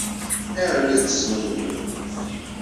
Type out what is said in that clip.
Ayɣer ay la tettezmumugeḍ?